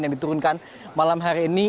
yang diturunkan malam hari ini